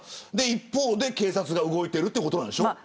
一方で警察が動いているということでしょ。